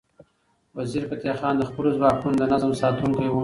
وزیرفتح خان د خپلو ځواکونو د نظم ساتونکی و.